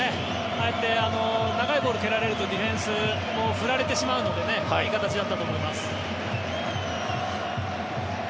ああやって長いボールを蹴られるとディフェンスも振られてしまうのでいい形だったと思います。